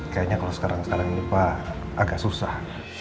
kayaknya kalo sekarang sekarang ini pa agak susah